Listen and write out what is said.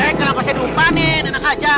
eh kenapa saya lupa nen enak aja